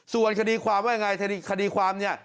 ส่วนคดีความว่ายังไงคดีความเนี่ย